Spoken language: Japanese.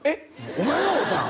お前が会うたん？